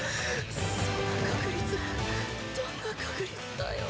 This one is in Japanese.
そんな確率どんな確率だよ。